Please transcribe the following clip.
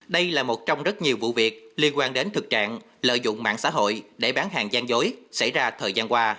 đây là một trong rất nhiều vụ việc liên quan đến thực trạng lợi dụng mạng xã hội để bán hàng gian dối xảy ra thời gian qua